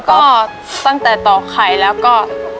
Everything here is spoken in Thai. ก็ตั้งแต่ต่อไข่แล้วก็